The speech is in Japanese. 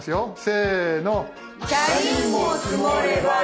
せの。